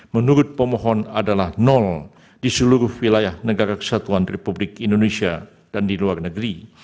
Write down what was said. menurut pemohon adalah nol di seluruh wilayah negara kesatuan republik indonesia dan di luar negeri